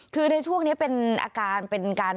คือในช่วงนี้เป็นอาการเป็นการ